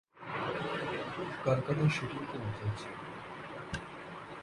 কলকাতায় শুটিং কেমন চলছে?